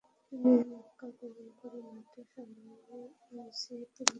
তিনি মক্কা গমন করে মাদ্রাসা আস-সাওলাতিয়ায় ভর্তি হন।